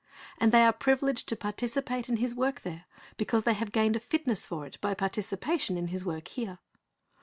And they are privileged to participate in His work there, because they have gained a fitness for it by participation in His work here.